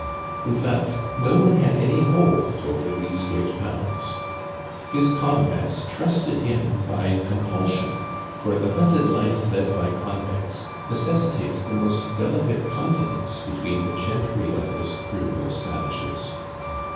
In fact, no one had any hold over these Great Pals. His comrades trusted him by compulsion, for the hunted life led by convicts necessitates the most delicate confidence between the gentry of this crew of savages.